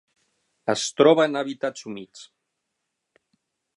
Es troba en hàbitats humits.